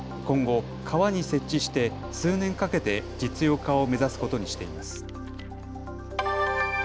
今後、川に設置して数年かけて実用化を目指すことにしています。